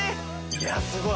いやすごい。